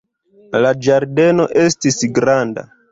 La ĝardeno estis granda.